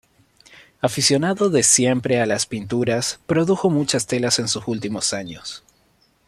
Aficionado de siempre a la pintura, produjo muchas telas en sus últimos años.